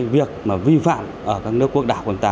việc vi phạm ở các nước quốc đảo của chúng ta